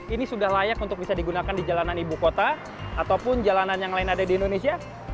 ini sudah layak untuk bisa digunakan di jalanan ibu kota ataupun jalanan yang lain ada di indonesia